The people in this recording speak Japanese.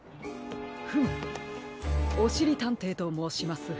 フムおしりたんていともうします。